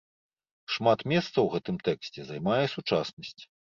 Шмат месца ў гэтым тэксце займае сучаснасць.